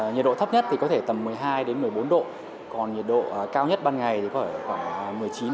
nhiệt độ thấp nhất thì có thể tầm một mươi hai đến một mươi bốn độ còn nhiệt độ cao nhất ban ngày thì có thể khoảng